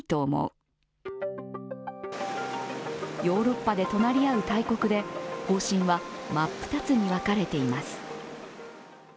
ヨーロッパで隣り合う大国で方針は真っ二つに分かれています。